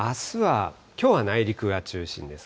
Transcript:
きょうは内陸が中心です。